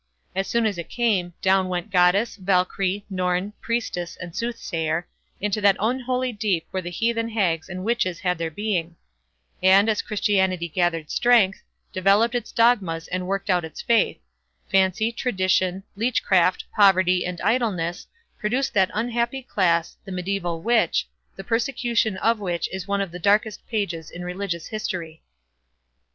As soon as it came, down went Goddess, Valkyrie, Norn, priestess, and soothsayer, into that unholy deep where the heathen hags and witches had their being; and, as Christianity gathered strength, developed its dogmas, and worked out its faith; fancy, tradition, leechcraft, poverty, and idleness, produced that unhappy class, the medieval witch, the persecution of which is one of the darkest pages in religious history.